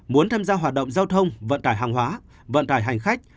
muốn tham gia hoạt động giao thông vận tải hàng hóa vận tải hành khách